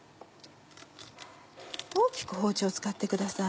大きく包丁を使ってください。